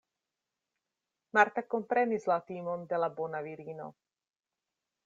Marta komprenis la timon de la bona virino.